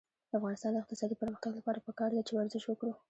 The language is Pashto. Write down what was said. د افغانستان د اقتصادي پرمختګ لپاره پکار ده چې ورزش وکړو.